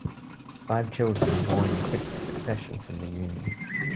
Five children were born in quick succession from the union.